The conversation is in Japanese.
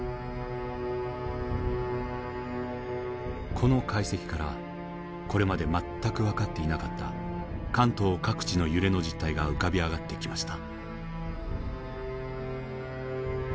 この解析からこれまで全く分かっていなかった関東各地の揺れの実態が浮かび上がってきました。